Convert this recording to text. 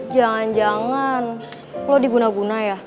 jangan jangan lo diguna guna ya